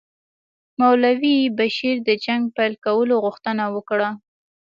مولوي بشیر د جنګ پیل کولو غوښتنه وکړه.